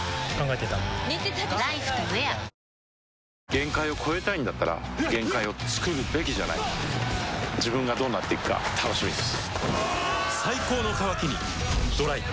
限界を越えたいんだったら限界をつくるべきじゃない自分がどうなっていくか楽しみです